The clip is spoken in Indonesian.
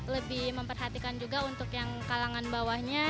lebih memperhatikan juga untuk yang kalangan bawahnya